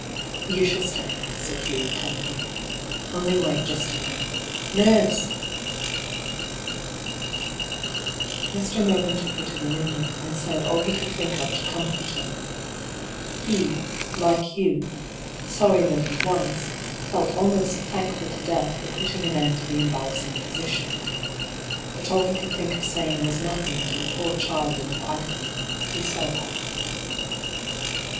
" You shall stay," said Hugh, tenderly ;" only wait just a minute. Nurse !" Mr. Mervyn took her to the window, and said all he could think of to comfort her. He, like Hugh, sorry though he was, felt almost thankful to Death for put ting an end to the embarrassing position. But all he could think of saying was nothing to the poor child in her agony, he saw that.